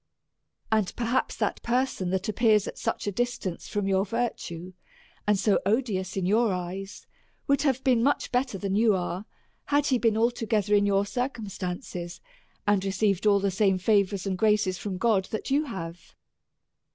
And, perhaps, that person that appears at such a distance from your virtue, and so odious in your eyes, would have been much better than you are, had he been altogether in your circumstances, and received all the same favours and graces from God that you have.